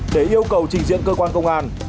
để yêu cầu trình diện cơ quan công an